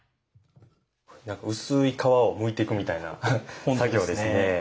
薄い皮をむいていくみたいな作業ですね。